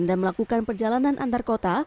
dan melakukan perjalanan antar kota